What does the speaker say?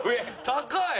高い！